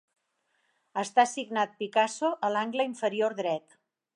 Està signat Picasso a l'angle inferior dret.